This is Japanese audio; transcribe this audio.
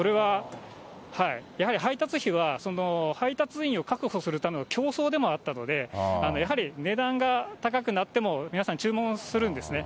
やはり配達費は、配達員を確保するための競争でもあったので、やはり値段が高くなっても皆さん、注文するんですね。